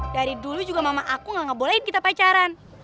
dari dulu juga mama aku gak ngebolehin kita pacaran